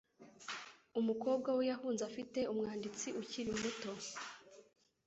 Umukobwa we yahunze afite umwanditsi ukiri muto.